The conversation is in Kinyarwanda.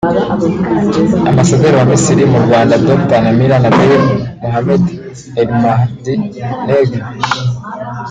Ambasaderi wa Misiri mu Rwanda Dr Namira Nabil Mohamed Elmahdy Negm